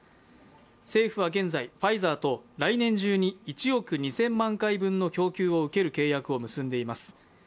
政府は現在、ファイザーと来年中に１億２０００万回分の供給を受ける契約を結んでいます。